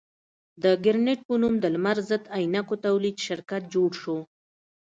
د ګرېنټ په نوم د لمر ضد عینکو تولید شرکت جوړ شو.